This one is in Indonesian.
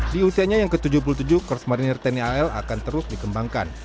di usianya yang ke tujuh puluh tujuh kors marinir tni al akan terus dikembangkan